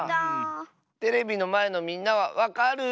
テレビのまえのみんなはわかる？